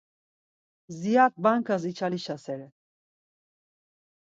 Ziyak bankas içalişasere.